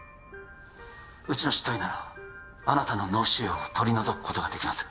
うちの執刀医ならあなたの脳腫瘍を取り除くことができます